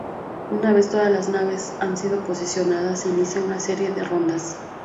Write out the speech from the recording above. Una vez todas las naves han sido posicionadas, se inicia una serie de rondas.